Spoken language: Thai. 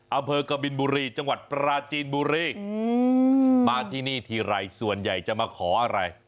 อำเภอกบินบุรีจังหวัดปราจีนบุรีมาที่นี่ทีไรส่วนใหญ่จะมาขออะไร